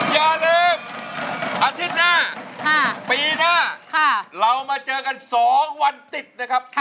อย่าลืมอาทิตย์หน้าปีหน้าเรามาเจอกัน๒วันติดนะครับ